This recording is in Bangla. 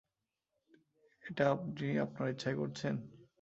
এটা আপনি আপনার ইচ্ছায় করছেন?